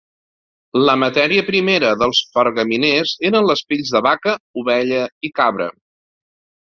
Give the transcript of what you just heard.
La matèria primera dels pergaminers eren les pells de vaca, ovella i cabra.